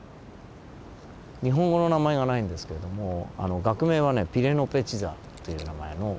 日本語の名前がないんですけれども学名はねピレノペジザという名前の菌です。